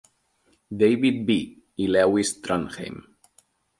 David B. i Lewis Trondheim.